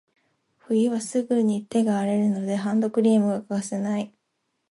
冬はすぐに手が荒れるので、ハンドクリームが欠かせない。